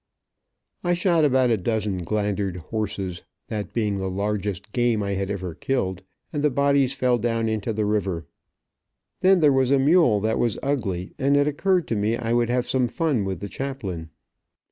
I shot about a dozen glandered horses, that being the largest game I had ever killed, and the bodies fell down into the river. Then there was a mule that was ugly, and it occurred to me I would have some fun with the chaplain.